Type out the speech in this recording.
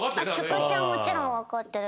つくしはもちろん分かってる。